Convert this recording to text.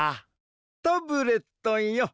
タブレットンよ